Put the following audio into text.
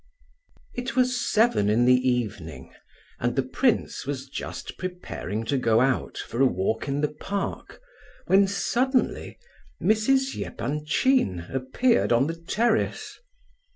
It was seven in the evening, and the prince was just preparing to go out for a walk in the park, when suddenly Mrs. Epanchin appeared on the terrace.